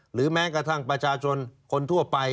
หรือแม้กระทั่งประชาชนคนทั่วไป